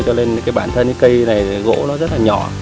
cho nên cái bản thân cái cây này gỗ nó rất là nhỏ